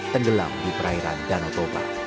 tenggelam di perairan danau toba